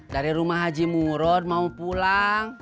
dari rumah haji muron mau pulang